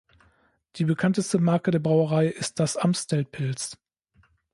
Die bekannteste Marke der Brauerei ist das Amstel Pils.